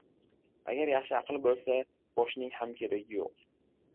• Agar yaxshi aql bo‘lsa, boshning ham keragi yo‘q.